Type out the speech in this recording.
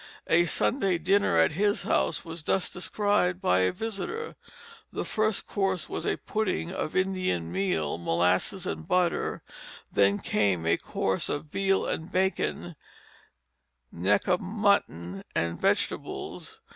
A Sunday dinner at his house was thus described by a visitor: the first course was a pudding of Indian meal, molasses, and butter; then came a course of veal and bacon, neck of mutton, and vegetables.